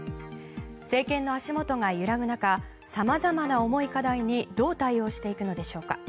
政権の足元が揺らぐ中様々な重い課題にどう対応していくのでしょうか。